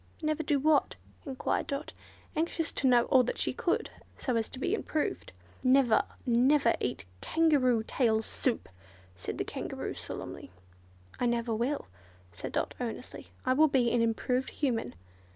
"Never do what?" enquired Dot, anxious to know all that she should do, so as to be improved. "Never, never eat Kangaroo tail soup!" said the Kangaroo, solemnly. "I never will," said Dot, earnestly, "I will be an improved Human."